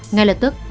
ngay lật tức